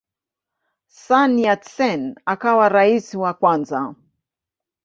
Sun Yat-sen akawa rais wa kwanza.